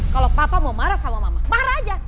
kalau papa mau marah sama mama marah aja